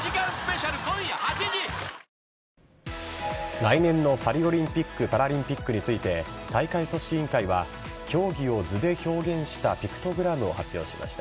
来年のパリオリンピック・パラリンピックについて大会組織委員会は競技を図で表現したピクトグラムを発表しました。